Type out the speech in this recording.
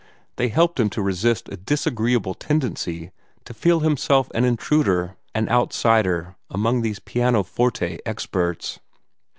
They helped him to resist a disagreeable tendency to feel himself an intruder, an outsider, among these pianoforte experts.